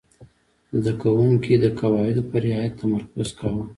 زده کوونکي د قواعدو په رعایت تمرکز کاوه.